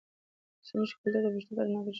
زموږ کلتور د پښتو په رڼا کې روښانه کیږي.